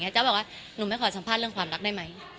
เจ้าบอกว่าหนูไม่ขอสัมภาษณ์เรื่องความรักได้ไหม